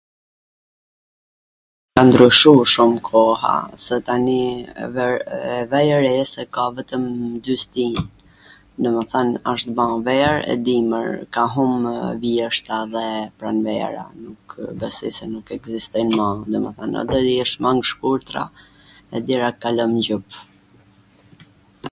Ka ndryshu shum koha, se tani vw re vwj re se ka vetwm dy stin, domethan asht ba ver e dimwr, ka humw vjeshta dhe pranvera, nukw, besoj se nuk ekzistojn ma, domethwn o do jen mang t shkurtra ...